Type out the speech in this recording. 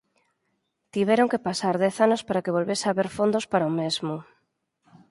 Tiveron que pasar dez anos para que volvese haber fondos para o mesmo.